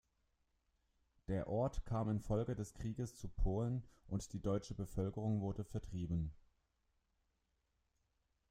Der Ort kam infolge des Krieges zu Polen, und die deutsche Bevölkerung wurde vertrieben.